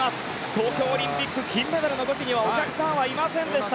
東京オリンピック金メダルの時はお客さんはいませんでした。